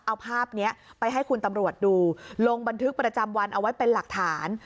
เอาภาพนี้ไปให้คุณตำรวจดูลงบันทึกประจำวันเอาไว้เป็นหลักฐาน